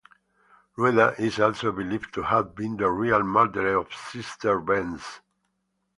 Rueda is also believed to have been the real murderer of Sister Benz.